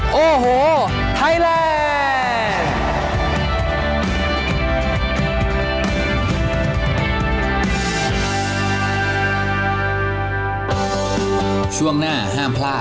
ก็เป็นบริเวณของประเทศเพื่อนบ้านอิตองจากด้านหลังผมเนี่ยนะครับ